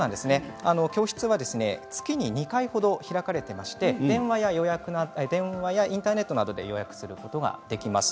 教室は月に２回程開かれていまして、電話やインターネットなどで予約することができます。